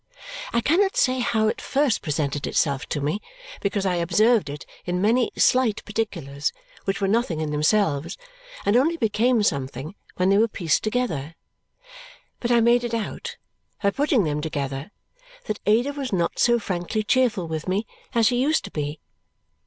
I cannot say how it first presented itself to me, because I observed it in many slight particulars which were nothing in themselves and only became something when they were pieced together. But I made it out, by putting them together, that Ada was not so frankly cheerful with me as she used to be.